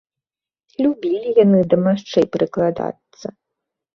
Любілі яны да машчэй прыкладацца.